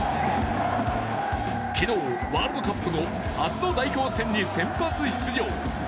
昨日、ワールドカップの初の代表戦に先発出場。